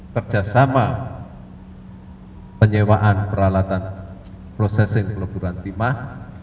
kerjasama penyewaan peralatan processing keleburantimah